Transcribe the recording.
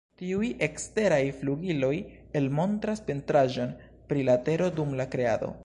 Tiuj eksteraj flugiloj, elmontras pentraĵon pri la tero dum la Kreado.